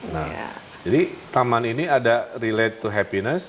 nah jadi taman ini ada relate to happiness